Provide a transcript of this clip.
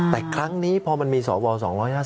แต่ครั้งนี้พอมันมีสว๒๕๐